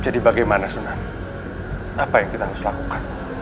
jadi bagaimana sunan apa yang harus kita lakukan